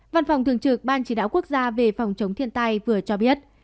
văn phòng thường trực ban chỉ đạo quốc gia về phòng chống thiên tai vừa cho biết